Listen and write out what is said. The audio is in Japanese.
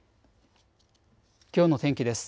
きょうの天気です。